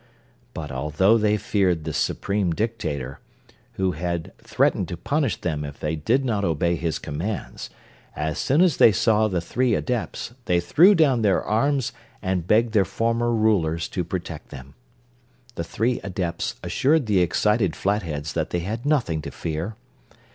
But although they feared the Supreme Dictator, who had threatened to punish them if they did not obey his commands, as soon as they saw the three Adepts they threw down their arms and begged their former rulers to protect them. The three Adepts assured the excited Flatheads that they had nothing to fear.